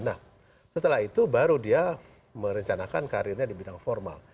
nah setelah itu baru dia merencanakan karirnya di bidang formal